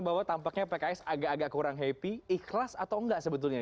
bahwa tampaknya pks agak agak kurang happy ikhlas atau enggak sebetulnya